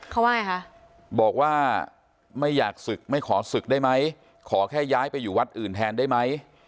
เขาว่าไงคะบอกว่าไม่อยากศึกไม่ขอศึกได้ไหมขอแค่ย้ายไปอยู่วัดอื่นแทนได้ไหม